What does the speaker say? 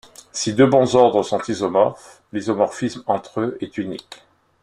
Si deux bons ordres sont isomorphes, l'isomorphisme entre eux est unique.